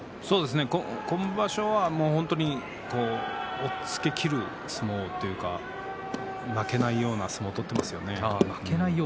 今場所は本当に押っつけきる相撲というか負けないような相撲を取っていますよね。